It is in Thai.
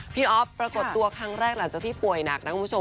อ๊อฟปรากฏตัวครั้งแรกหลังจากที่ป่วยหนักนะคุณผู้ชม